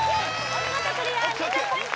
お見事クリア２０ポイント